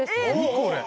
これ。